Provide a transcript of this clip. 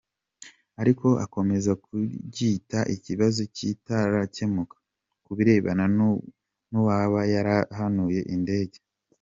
Ariko akomeza kuryita ikibazo “cyitaracyemuka” kubirebana nuwaba yarahanuye indege…’’